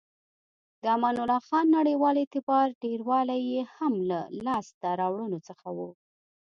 د امان الله خان نړیوال اعتبار ډیروالی یې هم له لاسته راوړنو څخه و.